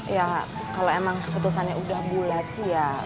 ya kalau emang keputusannya udah bulat sih ya